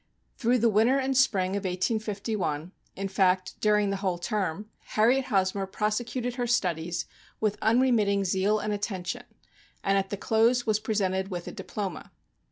Through the winter and spring of 1851, in fact, during the whole term, Harriet Hosmer prosecuted her studies with un remitting zeal and attention, and at the close was presented with a diploma.